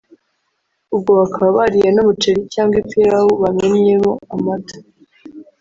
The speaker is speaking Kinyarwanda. ubwo bakaba bariye n’umuceri cyangwa ipilawu bamennyemo amata